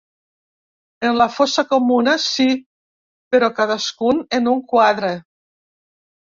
En la fossa comuna sí, però cadascun en un quadre.